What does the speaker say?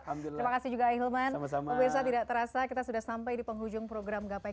terima kasih juga hilman pemirsa tidak terasa kita sudah sampai di penghujung program gapai